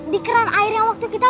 di keran air yang waktu kita